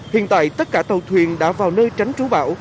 hiện tại tất cả tàu thuyền đã vào nơi tránh trú bão